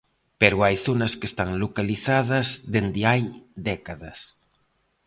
Pero hai zonas que están localizadas dende hai décadas.